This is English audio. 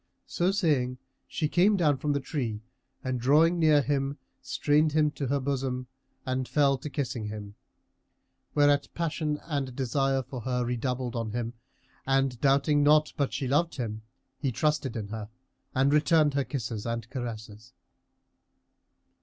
So saying, she came down from the tree and drawing near him strained him to her bosom and fell to kissing him; whereat passion and desire for her redoubled on him and doubting not but she loved him, he trusted in her, and returned her kisses and caresses.